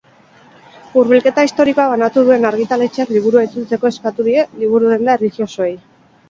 Hurbilketa historikoa, banatu duen argitaletxeak liburua itzultzeko eskatu die liburudenda erlijiosoei.